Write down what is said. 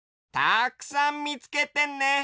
たくさんみつけてね！